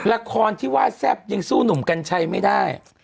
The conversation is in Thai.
ละครที่วาทแซปยังสู้หนุ่มกันใช้ไม่ได้